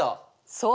そう。